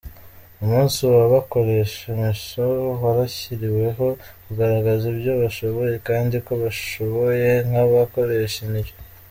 Umunsi w’abakoresha imoso warashyiriweho kugaragaza ibyo bashoboye kandi ko bashoboye nk’abakoresha indyo.